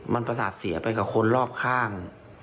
มันประสาทเสียไปกับคนรอบข้าง